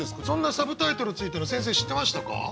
そんなサブタイトルついたの先生知ってましたか？